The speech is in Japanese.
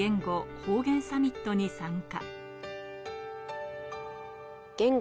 ・方言サミットに参加。